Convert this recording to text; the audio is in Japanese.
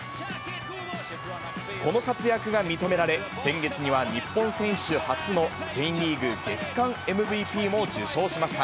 この活躍が認められ、先月には日本選手初のスペインリーグ月間ＭＶＰも受賞しました。